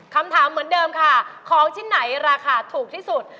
คำถามเหมือนเดิมค่ะของชิ้นไหนราคาถูกที่สุด